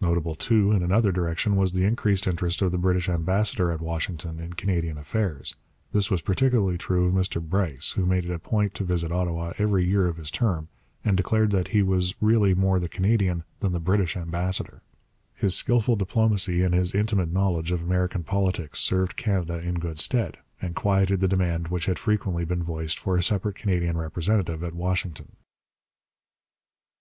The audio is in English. Notable too, in another direction, was the increased interest of the British ambassador at Washington in Canadian affairs. This was particularly true of Mr Bryce, who made it a point to visit Ottawa every year of his term, and declared that he was really more the Canadian than the British ambassador. His skilful diplomacy and his intimate knowledge of American politics served Canada in good stead, and quieted the demand which had frequently been voiced for a separate Canadian representative at Washington.